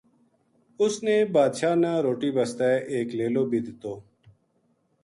اُس نے بادشاہ نا روٹی بسطے ایک لیلو بی دیتو